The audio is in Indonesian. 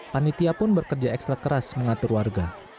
panitia pun bekerja ekstra keras mengatur warga